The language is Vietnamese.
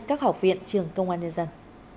các học viện trường công an nhân dân